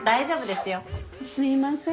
すいません。